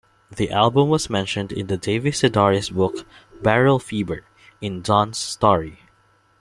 The album was mentioned in the David Sedaris book "Barrel Fever", in "Don's Story".